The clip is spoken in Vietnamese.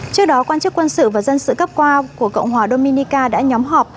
trước đó quan chức quân sự và dân sự cấp qua của cộng hòa dominica đã nhóm họp